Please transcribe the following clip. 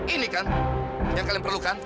ini kan yang kalian perlukan